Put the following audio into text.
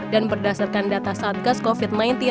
dan berdasarkan data saat gas covid sembilan belas